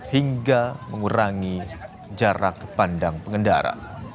hingga mengurangi jarak pandang pengendara